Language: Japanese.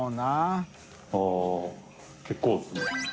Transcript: はぁ結構ですね。